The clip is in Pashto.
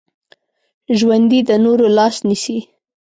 ژوندي د نورو لاس نیسي